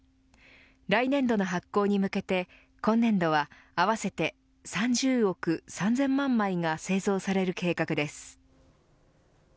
来年度の発効に向けて、今年度は合わせて３０億３０００万枚が製造される計画です。